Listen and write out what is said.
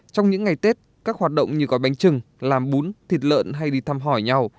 trong những ngày tết các hoạt động như gói bánh trưng làm bún thịt lợn hay đi thăm hỏi nhau